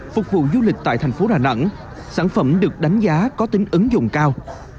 phục vụ du lịch tại thành phố đà nẵng sản phẩm được đánh giá có tính ứng dụng cao